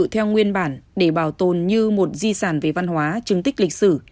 theo nguyên bản để bảo tồn như một di sản về văn hóa chứng tích lịch sử